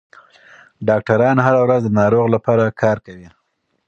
ډاکټران هره ورځ د ناروغ لپاره کار کوي.